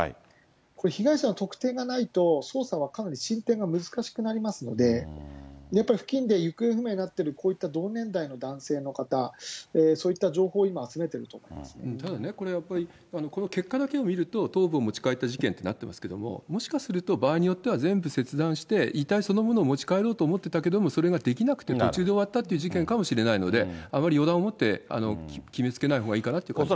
これ、被害者の特定がないと、捜査はかなり進展が難しくなりますので、やっぱり付近で行方不明になってる、こういった同年代の男性の方、そういった情報を今、ただね、これやっぱり、この結果だけを見ると、頭部を持ち帰った事件となってますけども、もしかすると場合によっては全部切断して、遺体そのものを持ち帰ろうと思っていたけれども、それができなくて、途中で終わったっていう事件かもしれないので、あまり予断を持って決めつけないほうがいいかなと思います。